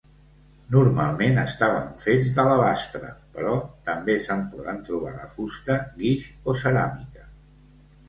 Normalment estaven fets d'alabastre però també se'n poden trobar de fusta, guix o ceràmica.